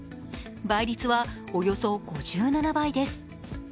倍率はおよそ５７倍です。